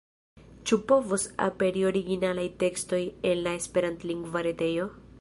Ĉu povos aperi originalaj tekstoj en la esperantlingva retejo?